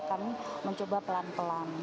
kami mencoba pelan pelan